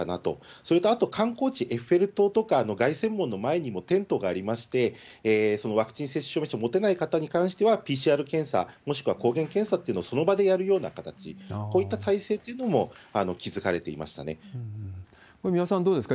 それとあと、観光地、エッフェル塔とか、凱旋門の前にもテントがありまして、ワクチン接種証を持てない方にはＰＣＲ検査、もしくは抗原検査っていうのをその場でやるような形、こういった体制というのも築かれ三輪さん、どうですか？